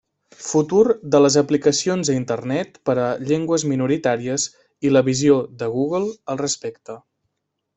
Futur de les aplicacions a Internet per a llengües minoritàries i la visió de Google al respecte.